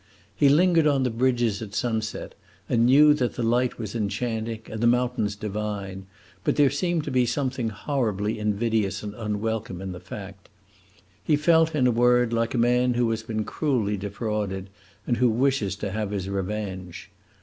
He lingered on the bridges at sunset, and knew that the light was enchanting and the mountains divine, but there seemed to be something horribly invidious and unwelcome in the fact. He felt, in a word, like a man who has been cruelly defrauded and who wishes to have his revenge.